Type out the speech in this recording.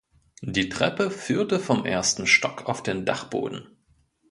Die Treppe führte vom ersten Stock auf den Dachboden.